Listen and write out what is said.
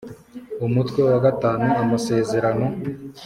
Umutwe wa v amasezerano